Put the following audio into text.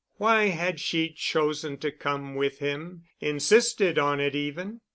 Why had she chosen to come with him—insisted on it even?